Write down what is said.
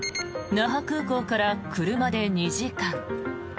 那覇空港から車で２時間。